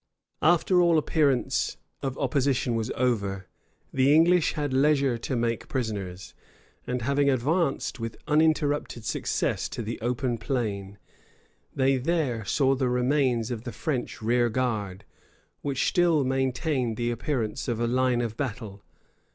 After all appearance of opposition was over, the English had leisure to make prisoners; and having advanced with uninterrupted success to the open plain, they there saw the remains of the French rear guard, which still maintained the appearance of a line of battle.